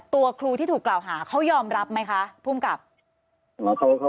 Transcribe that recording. ตัวครูที่ถูกกล่าวหาเขายอมรับไหมคะภูมิกับเขาเขาก้องจะ